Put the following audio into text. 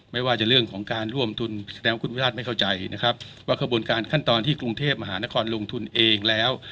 ไม่ว่าจะเรื่องของการร่วมทุนแสดงว่าคุณวิราชไม่เข้าใจนะครับว่าขบวนการขั้นตอนที่กรุงเทพมหานครลงทุนเองแล้ว